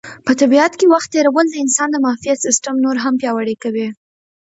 په طبیعت کې وخت تېرول د انسان د معافیت سیسټم نور هم پیاوړی کوي.